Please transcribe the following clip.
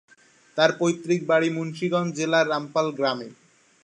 তার পৈতৃক বাড়ি মুন্সিগঞ্জ জেলার রামপাল গ্রামে।